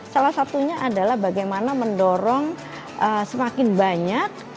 salah satunya adalah bagaimana mendorong semakin banyak